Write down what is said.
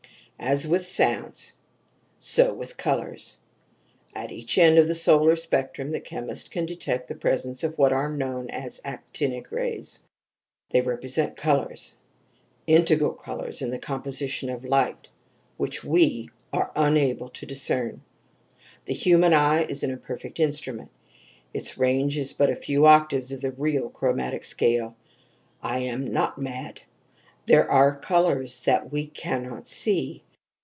"As with sounds, so with colors. At each end of the solar spectrum the chemist can detect the presence of what are known as 'actinic' rays. They represent colors integral colors in the composition of light which we are unable to discern. The human eye is an imperfect instrument; its range is but a few octaves of the real 'chromatic scale' I am not mad; there are colors that we can not see.